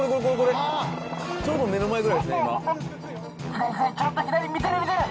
左左ちょっと左見てる見てる。